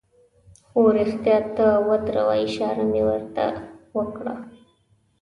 هو، رښتیا ته ودره، اشاره مې ور ته وکړه.